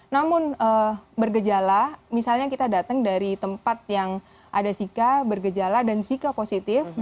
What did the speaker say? namun bergejala misalnya kita datang dari tempat yang ada zika bergejala dan zika positif